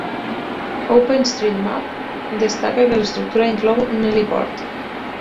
OpenStreetMap destaca que l'estructura inclou un heliport.